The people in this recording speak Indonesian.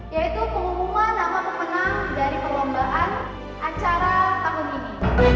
yaitu pengumuman nama pemenang dari perlombaan acara tahun ini